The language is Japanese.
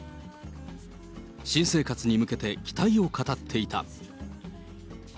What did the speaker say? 新生活に向けて期待を語っていた。